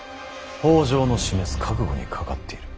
北条の示す覚悟にかかっている。